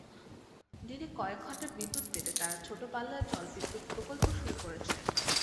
দিনে কয়েক ঘণ্টা বিদ্যুৎ পেতে তারা ছোট পাল্লার জলবিদ্যুৎ প্রকল্প শুরু করেছে।